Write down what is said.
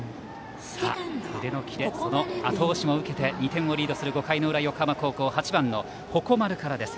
腕のキレそのあと押しも受けて２点をリードする５回裏の横浜高校８番の鉾丸からです。